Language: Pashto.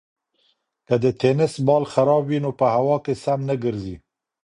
که د تېنس بال خراب وي نو په هوا کې سم نه ګرځي.